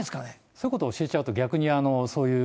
そういうこと教えちゃうと、逆にそういう、